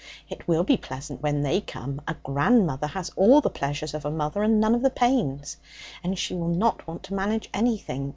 It will be pleasant when they come. A grandmother has all the pleasures of a mother and none of the pains. And she will not want to manage anything.